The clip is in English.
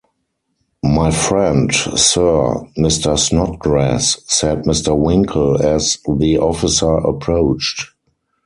‘My friend, Sir, Mr. Snodgrass,’ said Mr. Winkle, as the officer approached.